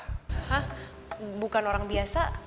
hah bukan orang biasa